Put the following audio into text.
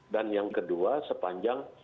dan yang kedua sepanjang